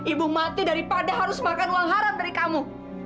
ibu mati daripada harus makan uang haram dari kamu